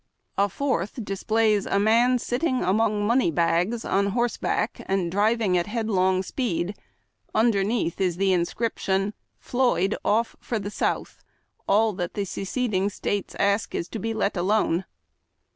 A fourth displays a man sitting among money bags, on horseback, and driving at headlong speed. Underneath is the inscription, " Floyd off for the South. All that the Seceding States ask is to be let alone."